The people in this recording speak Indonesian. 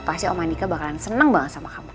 pasti om manika bakalan seneng banget sama kamu